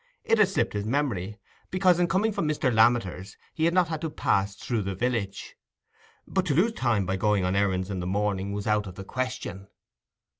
It had slipped his memory, because, in coming from Mr. Lammeter's, he had not had to pass through the village; but to lose time by going on errands in the morning was out of the question.